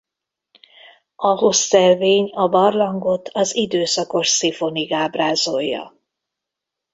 A hossz-szelvény a barlangot az Időszakos-szifonig ábrázolja.